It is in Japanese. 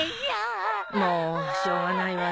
もうしょうがないわね。